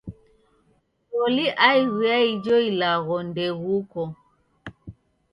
W'uloli aighu ya ijo ilagho ndeghuko.